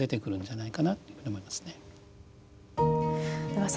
はい。